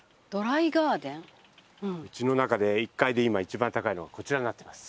うちの中で１階で今一番高いのはこちらになっています。